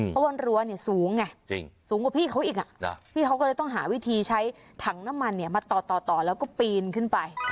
เพราะว่ารั้วเนี่ยสูงไงสูงกว่าพี่เขาอีกพี่เขาก็เลยต้องหาวิธีใช้ถังน้ำมันมาต่อแล้วก็ปีนขึ้นไป